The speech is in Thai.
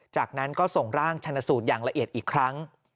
จากนั้นก็ส่งร่างชนสูตรอย่างละเอียดอีกครั้ง